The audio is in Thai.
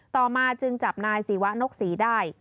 ต่อมาจึงจับนายศีวะนกศรีได้